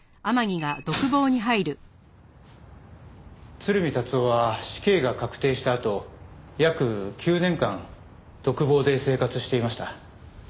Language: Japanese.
鶴見達男は死刑が確定したあと約９年間独房で生活していました。